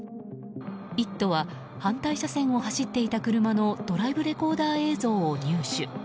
「イット！」は反対車線を走っていた車のドライブレコーダー映像を入手。